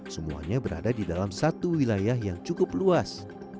semuanya berada di dalam satu wilayah yang cukup luas